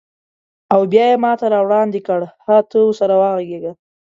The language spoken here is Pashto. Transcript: او بیا یې ماته راوړاندې کړ: هه، ته ورسره وغږیږه.